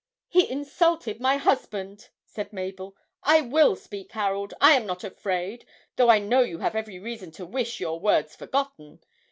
'He insulted my husband,' said Mabel. 'I will speak, Harold, I am not afraid, though I know you have every reason to wish your words forgotten.